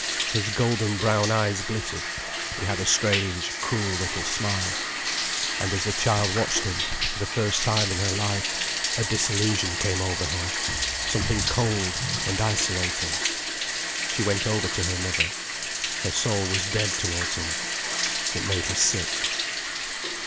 His golden brown eyes glittered, he had a strange, cruel little smile. And as the child watched him, for the first time in her life a disillusion came over her, something cold and isolating. She went over to her mother. Her soul was dead towards him. It made her sick.